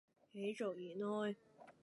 喜逐言開